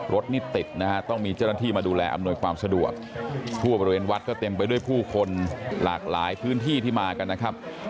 รถนี่ติดนะฮะต้องมีเจ้าหน้าที่มาดูแลอำนวยความสะดวกทั่วบริเวณวัดก็เต็มไปด้วยผู้คนหลากหลายพื้นที่ที่มากันนะครับ